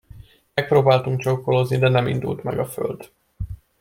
Megpróbáltunk csókolózni, de nem indult meg a föld.